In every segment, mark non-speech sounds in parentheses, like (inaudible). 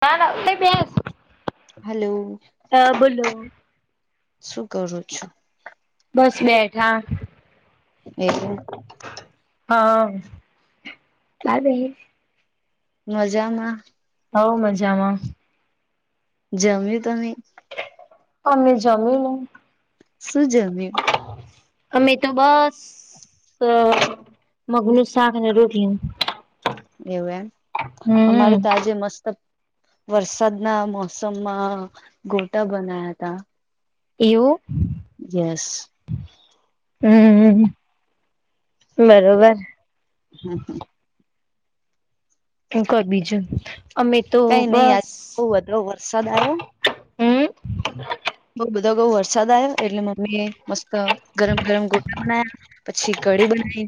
ના ના બેસ. હલો હા બોલો શું કરું છું? બસ બેઠા. એ હા બાય બાય. મજામાં. હવ મજામાં. જમીયુ તમે? અમે જમી લે. શું જામ્યું? અમે તો બસ મગનું શાક અને રોટલી. એવું એમ અમારે હમ તો આજે મસ્ત વરસાદના મોસમમાં ગોટા બનાયા તા. એવું હમ હમ્મ. બરોબર. કર બીજું અમે તો કઈ નહી બસ આજ બહ વધો વરસાદ આવ્યો. હમ બઉ બધો બહઉ વરસાદ આવ્યો એટલે મમ્મી મસ્ત ગરમ ગરમ ગોટા બનાયા. પછી કઢી બનાવી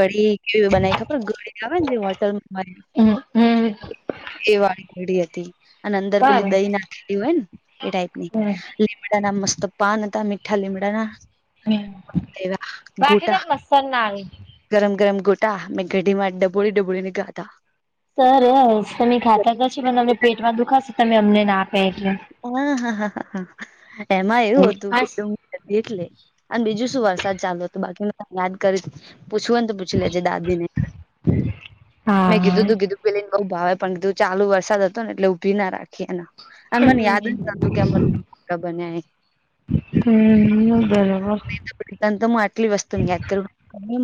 કઢી કેવી બનાવી ખબર કી તો આવે ને હોટલ હમ્મ હમ્મ. વાળી ઘડી હતી અને અંદર પેલી દહી નાખે હોય ને એ ટાઈપ ની. લીમડા ના મસ્ત પાન હતા મીઠા લીમડા ના હમ એવા રાખી દો ગોટા. મસર ના આવે ગરમ ગરમ ગોટા મેં ઘડીમાં ડબોળી ડબોળી ની ગાતા. સર હસ તમે ખાતા જશે પણ અમને પેટમાં દુખાશે તમે અમને ના આપ્યા એટલે હા હ એમાં એવું હતું હાસ કે ત એટલે અને બીજું શું વરસાદ ચાલુ હતો બાકી ત યાદ કરી પૂછવુંને તો પૂછી લેજે દાદી ને? (inaudible) મેં કીધું હા તુ કીધું પેલીને બઉ ભાવે પણ કીધું ચાલ વરસા હતો ને એટલે ઉભી ના રાખે. અને મને યાદ હમ જ નતું કે અ મો બન્યા. હમ બરોબર (unintelligible) તો આટલી વસ્તુને યાદ કરું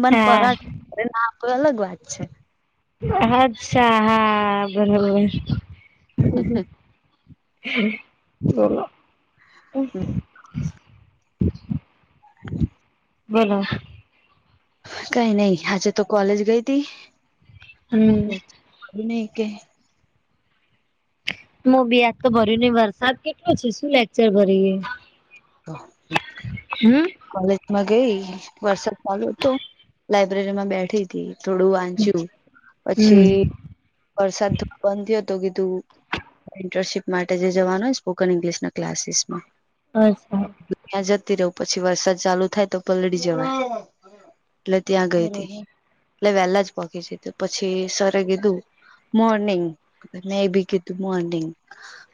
મન હા પરાઠે અરે ના આપડે અલગ વાત છે. અચ્છા હા બરોબર હમ્મ હમ્મ બોલો હમ્મ. બોલો. કાઈ નઈ આજે તો કોલેજ ગઈ હતી હમ નઈ કે મો બી આજ તો ભર્યું ને વરસાદ કેટલો છે શું લેક્ચર ભરીએ હા. હમ કોલેજમાં ગઈ વરસાદ ચાલુ હતો લાઈબ્રેરી માં બેઠી થોડું વાંચ્યું પછી હમ વરસાદ બંધ થયો હતો કીધું ઇન્ટર્નશીપ માટે જે જવાનું સ્પોકન ઇંગ્લિશ ના ક્લાસીસ માં અચ્છા ત્યાં જતી રહું પછી વરસાદ ચાલુ થાય તો પલળી જવાય એટલે ત્યાં ગઈ હતી બરોબર એટલે વેલા જ પોખી ગઈ હતી પછી સરએ કીધું મોર્નિંગ ને બી કીધું મોર્નિંગ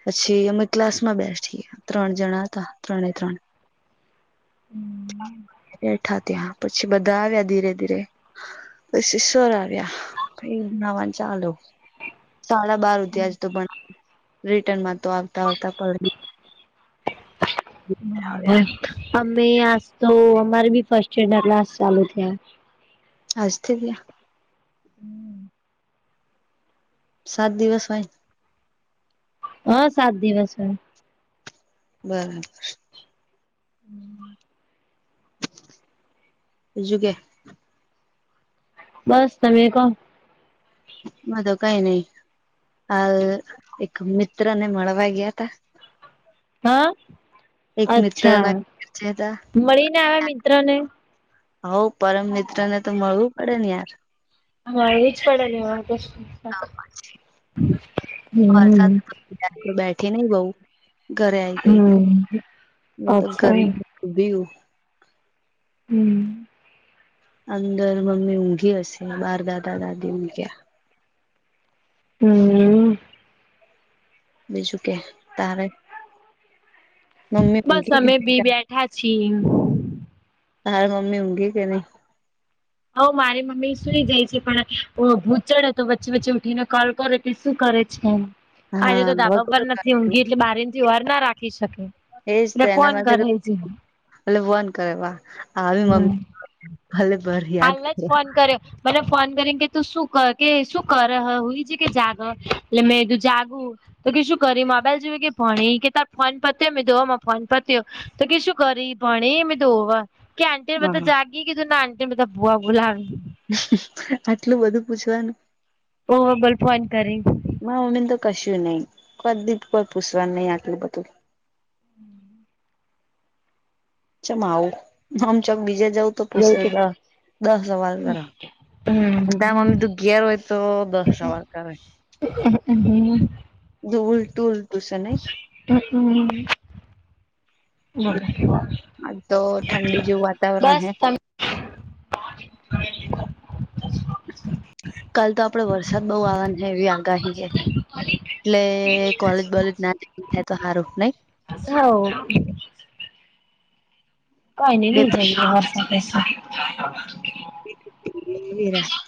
પછી અમે ક્લાસ માં બેઠી ત્રણ જણા હતા. ત્રણે ત્રણ હમ. બેઠા ત્યાં પછી બધા આવ્યા ધીરે ધીરે પછી સર આવ્યા પહિ નાવા ચાલો સાડા બાર ઉધી આજ તો ભ રિટર્નમાં તો આવતા આવતા પ (inaudible) આવ્યા પછી અમે આજ તો અમારે બી ફસ્ટ ના ક્લાસ ચાલુ થાય. આજ થી ત્યાં હમ્મ. સાત દિવસ હોય હ સાત દિવસ હોય બરાબર હમ્મ. બીજું કે બસ તમે કહો બધુ કઈ નઈ હાલ એક મિત્ર ને મળવા ગયા તા હા એક મિત્ર અચ્છા ના ઘરે હતા મળીને આયા મિત્ર ને હઓ પરમ મિત્ર ને તો મળવું પડે ને યાર હા એજ પડે વા (unintelligible) વરસાદ હમ બેઠી નહિ બહુ ઘરે આવી ગઈ હમ હ તો અચ્છા ઘર હમ ઉભી રહું હમ્મ. અંદર મમ્મી ઊંઘી હશે બાર દાદા દાદી ઊંઘ્યા. હમ્મ હમ્મ. બીજું કે તારે મમ્મી બસ અમે બી (unintelligible) બેઠા છીએ હઉ હાર મમ્મી ઊગી કે ની હઓ મારી મમ્મી સુઈ જાય છે પણ ભૂચડ તો વચ્ચે વચ્ચે ઉઠીને કોલ કરે શું કરે છે એ આજે હા તો ધાબા પર નથી ઊંઘી એટલે બારીથી હોર ના રાખી શકે એટલે ફોન કરે છે. એટલે હવન કરે વા આવી મમ્મી ભલે ભર યાદ હાલ જ કર ફોન કરયો. મને ફોન કરી કે તું શું કે શું કર હ હુઈ કે જાગ એટલે મેં તું જાગું તો કે શું કરી મોબાઈલ જોવી કે ભણે કે તાર ફોન પત્યો મેં કીધું અ મારો ફોન પત્યો. તો કે શું કરી ભણી મે કીધું હોવ કે આંટી ને બધા હા જાગી કીધું ના આંટી ને બધા ભુઆ બુલા (unintelligible) આટલું બધું પુછવાનું? ઓવ બોલ ફોન કરી મા મમ્મીને તો કશું નહી કો દીપ કોઈ પુસવાનું નહીં આટલું બધું હમ. ચમ આવું આમ ચમ બીજે જઉં તો પુસે દસ સવાલ કરે અને તાર મમ્મી તું ઘેર હોય તો દસ સવાલ કરે. (unintelligible) (unintelligible) નહીં (unintelligible) તો ઠંડી જેવું વાતાવરણ બસ હે કાલ તો આપડે વરસાદ બહું આવવાની છે એવી આગાહી હે. (inaudible) એટલે કોલેજ બોલેજ ના જાય (unintelligible) તો સારું નઈ. (unintelligible) કઈ નઈ બે ની જઈએ (unintelligible) (inaudible)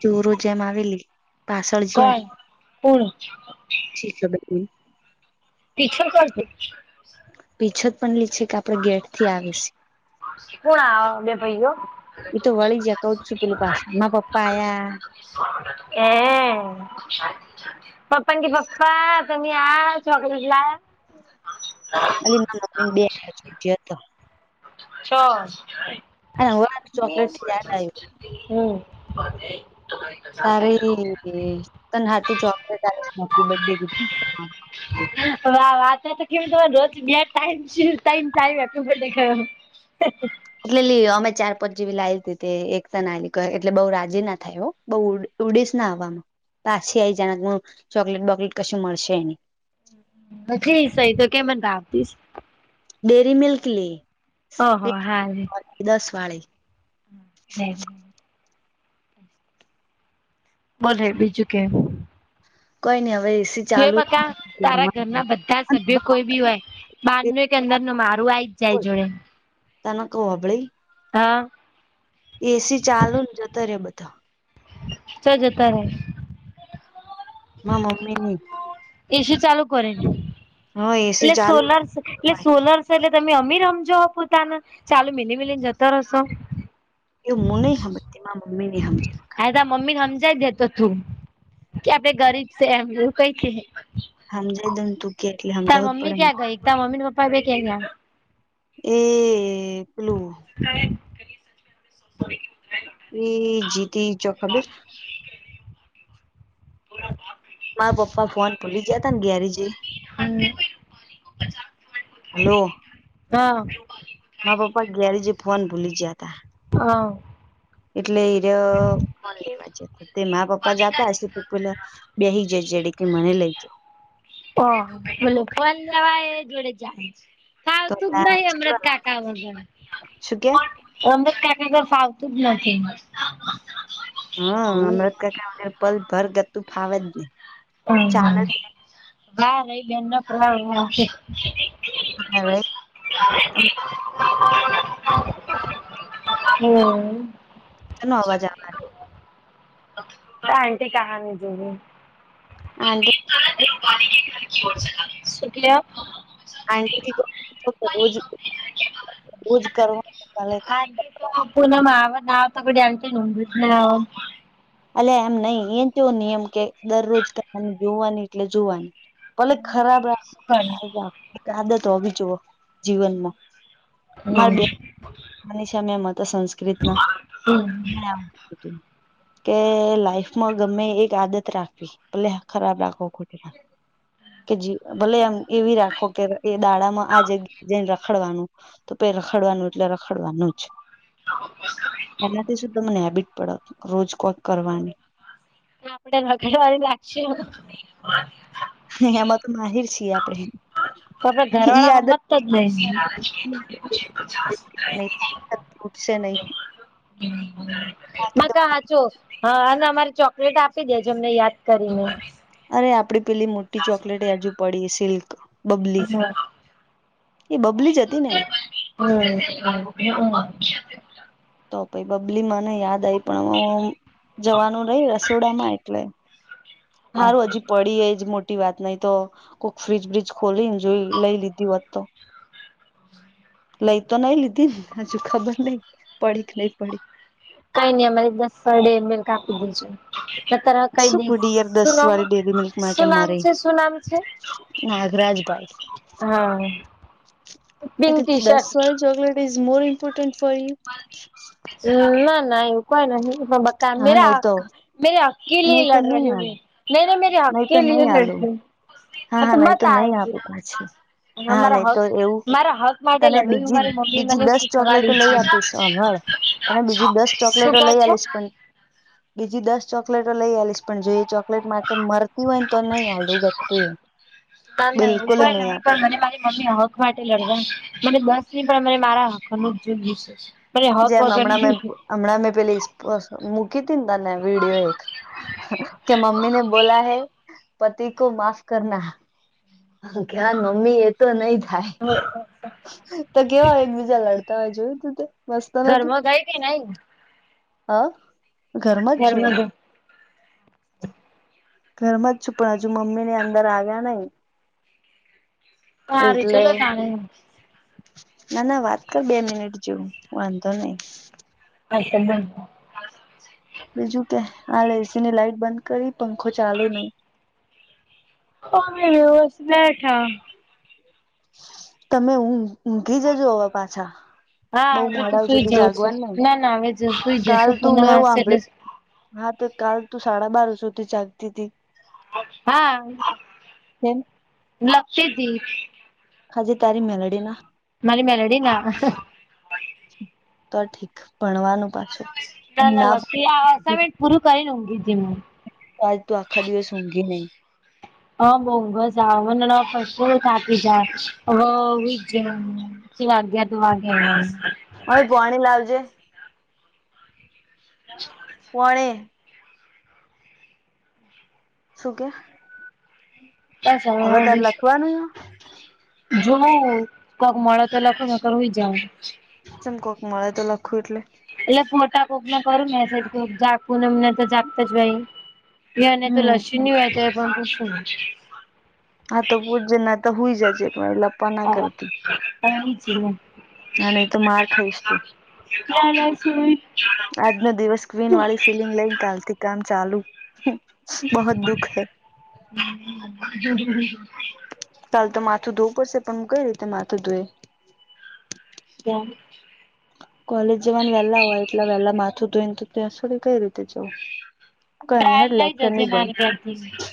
ચોરો જેમ આવેલી પાછળ જ્યાં કોણ (unintelligible) શી ખબર (unintelligible) ટીચર (unintelligible) પીછ જ પણ લી છે કે આપડે ગેટ થી આવે છે. કોણ આવ બે ભાઈઓ એ તો વળી જ્યાં કઉ છું પેલું પાછળ માર પપ્પા આયા (unintelligible) (unintelligible) પપ્પા કે પપ્પા તમે આવ ચોકલેટ લાયા. અલી ના મમ્મી બે (unintelligible) હતો ચો? અને હવે આ ચોકલેટ યાદ આવ્યું. હમ. તારે ત હાટું ચોકલેટ (unintelligible) વાહ (unintelligible) હા. એટલે લી અમે ચાર પાંચ જેવી લાવી દીધી એકતા નાલી એટલે બહું રાજી ના થાય હો. બહું ઉડીશ હવામાં પાછી આઈ જાય ચોકલેટ બોકલેટ કશું મળશે નહીં. સહી તો કે (unintelligible) ડેરીમિલ્ક લી. ઓહો હા. દસ વાળી. (unintelligible) બલે બીજું કેવું? કઈ નઈ હવે એસી જો ચાલુ બકા તારા ઘરના બધા સભ્યો કોઈ બી હોય બારનું એક અંદરનું મારું આઈ જાય જોડે (unintelligible) હા. એસી ચાલુ ને જતા રયા બધા. ચો જતા રયા? મા મમ્મીની એસી ચાલુ કરીને હા એસી એટલે સોલર ચાલ્યું એટલે સોલર છે એટલે તમે અમીર હમજો પોતાને ચાલુ મિલી મિલીને જતો રહોશો. એવું મુ ન હમતી મા મમ્મીને સમજે. આ તા મમ્મી ને સમજાય દેતો તું કે આપડે ગરીબ છે એમ કઈ છે. સમજાય દમ તું કે એટલે સમજાવું જ પડે. તા મમીની ન પપા બે કે ગયા? એ પેલુ (unintelligible) (unintelligible) એ જીતી ચોક ખબર? (unintelligible) મારા પપ્પા ફોન ભૂલી ગયા જ્યાં તાન ઘરે જે હા મા પપ્પા ગેરેજે ફોન ભૂલી જ્યાં તા. હા એટલે એરીયો ફોન લેવા જ્યાં. તે મા પપ્પા જાતા હશે તો પેલા બેસી જાય જેડ કે મને લઈ જ હ બોલો પણ લેવાય જોડે જાય. હાલ તો તું જ તાર નહી જેટલો અમૃતકાકા વગર. શું કે અમરત કાકા વગર આવતું જ નહી. હા અમૃતકાકા વગર પલ ભર ગતું ફાવેજ ને. હા તારી બેન ના પ્રણામ (unintelligible) હમ સેનો અવાજ આવે? આંટી કહાની જોરી. આંટી (unintelligible) આંટી થી રોજ રોજ કરવા (unintelligible) અલ્યા એમ નઈ એ કેવો નિયમ કે દરરોજ કહાની જોવાની એટલે જોવાની. ભલે ખરાબ શું કરીએ. રાખ આદત હો જોએ જીવનમાં. મારે હમ. બે માની છે અમ હતો સંસ્કૃત ના હમ (unintelligible) કે લાઈફમાં ગમે એક આદત રાખવી ભલે ખરાબ રાખો. કેજી કે ભલે એમ એવી રાખો કે એ દાડામાં આ જગ્યા જઈને રખડવાનું. તો પે રખડવાનું એટલે રખડવાનું જ. એનાથી શુ તમને હેબિટ પડે રોજ કોક કરવાની. આપડે રગડવાની લાગશે. હ એમાં તો માહીર છીએ આપડે. તો આપડે ઘર ઈ વાળા આદત હમતો જ નહી. સેનાઈ મ કે બધી હાચો. હા અને અમારે ચોકલેટ આપી દેજો અમને યાદ કરીને. અરે આપડી પેલી મોટી ચોકલેટ હજુ પડી સિલ્ક. બબલી હમ એ બબલી જ હતી ને? (unintelligible) તો પહી બબલી મને યાદ આઈ પણ હ જવાનું નહી રસોડામાં એટલે. હારું હમ હજી પડી એ જ મો ટી વાત નહી તો કોક ફ્રીજ બ્રીજ ખોલીને જોઈ લઈ લીધી હોત તો. લઈ તો નઈ લીધી ને હજુ ખબર નઈ પડી કે નઈ પડી. કઈ નઈ અમારે દસ ડેલ કાપી દીજું. તાર કઈ શું દઈશ પુડીયર દસ સુમ વાળી ડેરી મિલ્ક માટે સુું નામ મરે છે સુું નામ છે? હા નાગરાજભાઈ એ પિંક દસ ટી શર્ટ વાળી chocolate is more important for you. ના ના (inaudible) હા નહી તો નહી તો નહી આલુ નહી તો નહી આલુ હા હા નહી તો નહી આપું પાછી (unintelligible) (unintelligible) હ હા મારા નહી હક તો એવું મારા હક માટે તને લડુ મારી મમ્મી મને શીખવાડ્યું છે. અને બીજી દસ શું ચોકલેટો કહો લઈ છો આલીશ પણ બીજી દસ ચોકલેટો લઈ આલીશ પણ જો એ ચોકલેટ માટે મરતી હોયને તો નહી આલુ (inaudible) પણ બિલકુલ આપું નહી એવું કોઈ નહી પણ મને મારી મમ્મી હક માટે લડવા મને દસ ની પણ મને મારા હકનું જ જોઈયે છે. મને હક જેમ વગર હમણાં મેં હમણાં મેં પેલી મૂકી હતી ને તને વિડીયો એક કે મમ્મીને બોલા હૈ પતિ કો માફ કરના. (inaudible) મમ્મી એ તો નહી થાય. (inaudible) તો કેવાય એકબીજા લડતા હોય જોયું તું તે મસ્ત નથી ઘરમાં ગઈ કે નઈ હા ઘરમાં જ છું આ ઘરમાં જ છું પણ હજુ મમ્મી ને અંદર આવ્યા નઈ. હારું એટલે ચલો તાણે ના ના વાત કર બે મિનિટ જેવું વાંધો નહી (inaudible) બીજું કે હાલ એસી ની લાઈટ બંધ કરી પંખો ચાલુ (inaudible) (inaudible) તમે ઊંઘી જજો હવે પાછા હા બઉ આજે તો મોડા સુઈ સુધી જવું છે જાગવાનું ના ના હવે જો સુઈ કાલ જશે તું પૂનમ આવશે મેવું (inaudible) એટલે હા તો કાલ તું સાડા બાર સુધી જાગતી તી. હા કેમ લખતી તી ખાજે તારી મેલડીના મારી મેલડી ના તો ઠીક ભણવાનું. પાછું (inaudible) આ ના અસાઈમેન્ટ પૂરું કરીન ઊંઘીજી હુ. કાલ તું આખા દિવસ ઊંઘી નઈ. હઅ, બઉ ઊંઘ જ આવ મન (unintelligible) કશું બી થાકી જાય, અવ હુઈજ જઈ હુ. (unintelligible) ઓય, પોણી લાવજે. પોણી. શું કે? બસ અવ હવે તારે (unintelligible) લખવાનું જોવુ, કોક મળે તો લખુ નકર હૂઈ જાવ. ચમ કોક મળે તો લખું એટલે? એટલે ફોટા કોકને કરું મેસેજ કોક જાગું નેમને તો જાગતા જ હોય. એને તો હમ લસયુની હોય તોય પણ પૂછુ. હા, તો પૂછ જે નઈ તો હૂઈ જાજે ભઈ લ (unintelligible) એ જ ને. હા નઈ તો માર ખાઈશ તું. આજનો દિવસ ક્વીનવાળી ફિલિંગ લઈન કાલથી કામ ચાલુ. બહોત દુઃખ હૈ (inaudible) કાલ તો માથું ધોવું પડશે, પણ હુ કઈ રીતે માથું ધોયે? કેમ? કોલેજ જવાનુ વહેલા હોય એટલે વહેલા માથું ધોઈ ન તો ત્યાં સુધી કઈ રીતે જઉ કઈ હેડ લેક્ચર ની ભરું બીજી (inaudible)